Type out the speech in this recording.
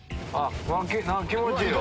何か気持ちいいわ。